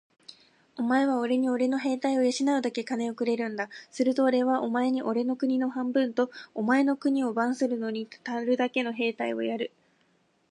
お前はおれにおれの兵隊を養うだけ金をくれるんだ。するとおれはお前におれの国を半分と、お前の金を番するのにたるだけの兵隊をやる。